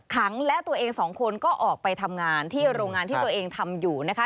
ขังและตัวเองสองคนก็ออกไปทำงานที่โรงงานที่ตัวเองทำอยู่นะคะ